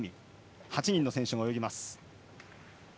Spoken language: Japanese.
８人の選手が泳ぎます。